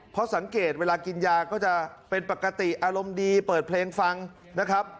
เพราะสังเกตเวลากินยาก็จะเป็นปกติอารมณ์ดีเปิดเพลงฟังนะครับ